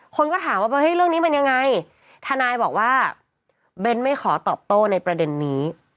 คนก็ถามว่าเรื่องนี้เป็นยังไงทนายบอกว่าเบ้นไม่ขอตอบโต้ในประเด็นนี้